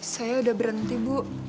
saya udah berhenti bu